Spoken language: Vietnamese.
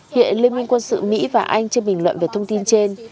hiện liên minh quân sự mỹ và anh chưa bình luận về thông tin trên